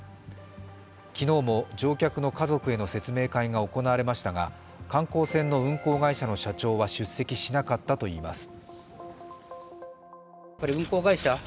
昨日も乗客の家族への説明会が行われましたが観光船の運航会社の社長は出席しなかったといいます。